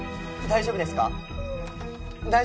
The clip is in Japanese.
大丈夫ですか？